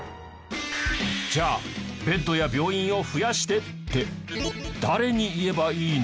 じゃあベッドや病院を増やして！って誰に言えばいいの？